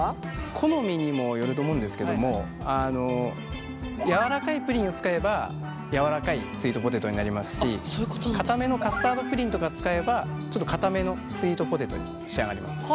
好みにもよると思うんですけども柔らかいプリンを使えば柔らかいスイートポテトになりますしかためのカスタードプリンとか使えばちょっとかためのスイートポテトに仕上がります。